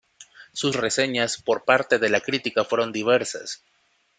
Sus reseñas por parte de la crítica fueron diversas.